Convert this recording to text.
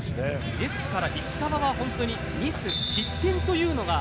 ですから、石川が本当にミス、失点というのが。